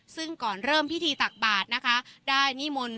ซึ่งก่อนเริ่มพิธีตักบาทนะคะได้นิมนต์